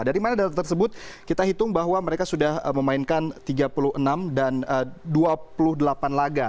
dari mana data tersebut kita hitung bahwa mereka sudah memainkan tiga puluh enam dan dua puluh delapan laga